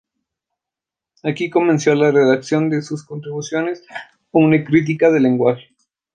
Aquí comenzó la redacción de sus Contribuciones a una Crítica del Lenguaje.